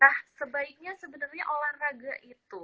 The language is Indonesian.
nah sebaiknya sebenarnya olahraga itu